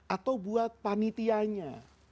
atau buat panitianya